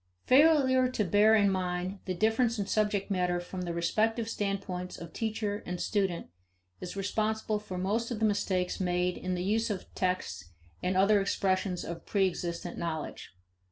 Failure to bear in mind the difference in subject matter from the respective standpoints of teacher and student is responsible for most of the mistakes made in the use of texts and other expressions of preexistent knowledge.